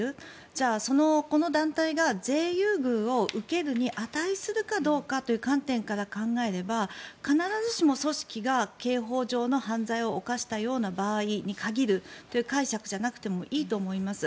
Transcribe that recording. じゃあ、この団体が税優遇を受けるに値するかどうかという観点から考えれば必ずしも組織が刑法上の犯罪を犯したような場合に限るという解釈じゃなくてもいいと思います。